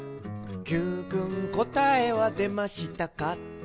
「Ｑくんこたえはでましたか？」